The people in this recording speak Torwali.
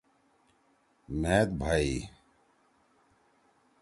مھید بھئی۔